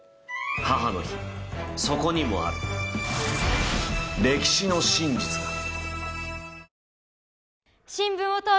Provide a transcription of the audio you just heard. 母の日そこにもある歴史の真実が。